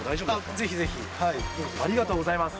ぜひぜひ。ありがとうございます。